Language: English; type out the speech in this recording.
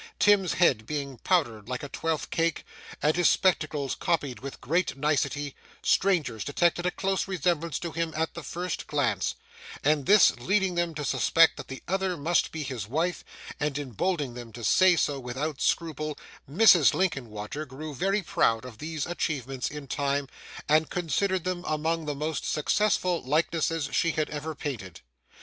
Tim's head being powdered like a twelfth cake, and his spectacles copied with great nicety, strangers detected a close resemblance to him at the first glance, and this leading them to suspect that the other must be his wife, and emboldening them to say so without scruple, Mrs. Linkinwater grew very proud of these achievements in time, and considered them among the most successful likenesses she had ever painted.